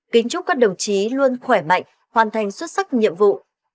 kính chúc các đồng chí luôn khỏe mạnh hoàn thành xuất sắc nhiệm vụ